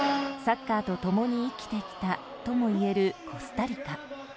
サッカーと共に生きてきたともいえるコスタリカ。